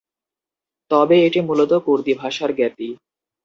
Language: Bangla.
তবে এটি মূলতঃ কুর্দি ভাষার জ্ঞাতি।